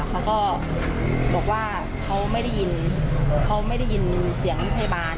เขาก็บอกว่าเขาไม่ได้ยินเสียงพยาบาล